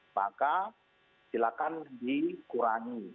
maka silakan dikurangi